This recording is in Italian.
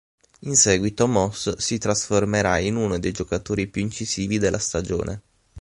In seguito Moss si trasformerà in uno dei giocatori più incisivi della stagione.